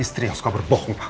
istri yang suka berbohong